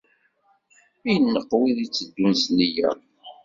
Ineqq wid itteddun s nniya.